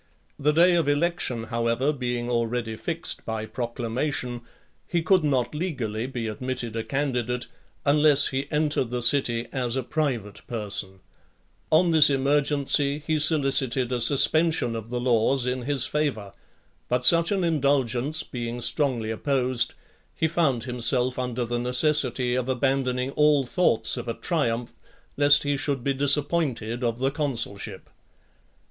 The day of election, however, being already fixed by proclamation, he could not legally be admitted a candidate, unless he entered the city as a private person . On this emergency he solicited a suspension of the laws in his favour; but such an indulgence being strongly opposed, he found himself under the necessity of abandoning all thoughts of a triumph, lest he should be disappointed of the consulship.